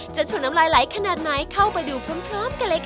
ชนน้ำลายไหลขนาดไหนเข้าไปดูพร้อมกันเลยค่ะ